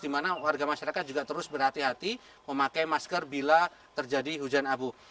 di mana warga masyarakat juga terus berhati hati memakai masker bila terjadi hujan abu